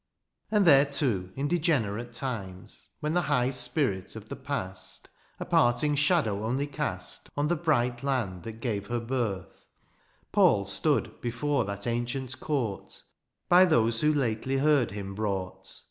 And there, too, in degenerate times. When the high spirit of the past A parting shadow only cast On the bright land that gave her birth, Paul stood, before that ancient court By those who lately heard him brought.